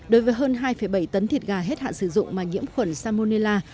đối với hơn hai bảy tấn thịt gà hết hạn sử dụng mà nhiễm khuẩn salmonella